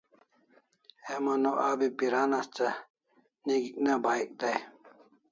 Heman o abi piran asta nigi'k ne bahik dai